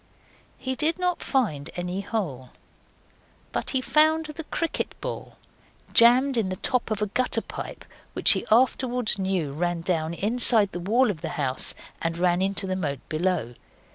He did not find any hole, but he found the cricket ball jammed in the top of a gutter pipe which he afterwards knew ran down inside the wall of the house and ran into the moat below.